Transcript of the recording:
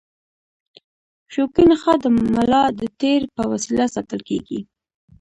شوکي نخاع د ملا د تیر په وسیله ساتل کېږي.